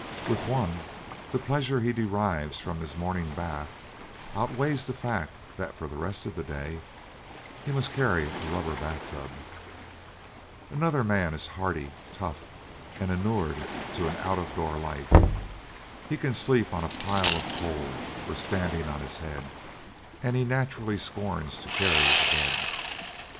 With one, the pleasure he derives from his morning bath outweighs the fact that for the rest of the day he must carry a rubber bathtub. Another man is hearty, tough, and inured to an out of door life. He can sleep on a pile of coal or standing on his head, and he naturally scorns to carry a bed.